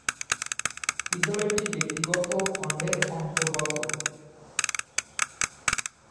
বিদ্যালয়টি ব্যক্তিগত খণ্ডের অন্তর্গত।